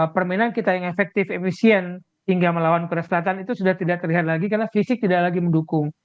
permainan kita yang efektif efisien hingga melawan korea selatan itu sudah tidak terlihat lagi karena fisik tidak lagi mendukung